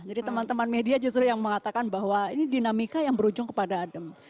jadi teman teman media justru yang mengatakan bahwa ini dinamika yang berujung kepada adem